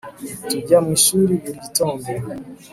Tujya mu ishuri buri gitondo